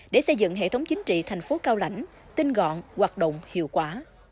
để xây dựng hệ thống chính trị thành phố cao lãnh tinh gọn hoạt động hiệu quả